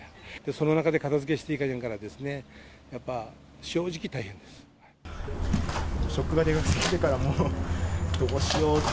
その中で片づけしていかなきゃならんから、やっぱ、正直、大変でショックがでかすぎるから、もうどうしようって。